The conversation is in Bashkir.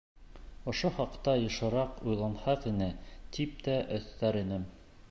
Ошо хаҡта йышыраҡ уйланһаҡ ине, тип тә өҫтәр инем.